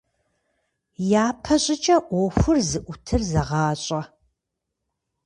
Япэщӏыкӏэ ӏуэхур зыӀутыр зэгъащӏэ.